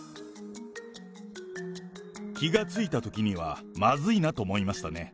気が付いたときにはまずいなと思いましたね。